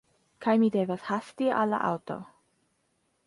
Kaj mi devas hasti al la aŭto